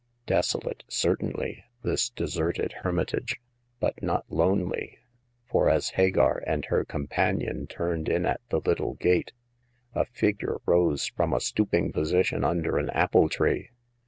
Desolate certainly, this deserted hermitage, but not lonely, for as Hagar and her companion turned in at the little gate a figure rose from a stooping position under an apple tree.